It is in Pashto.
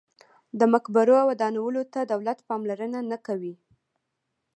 د مقبرو ودانولو ته دولت پاملرنه نه کوي.